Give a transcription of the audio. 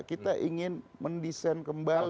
kita ingin mendesain kembali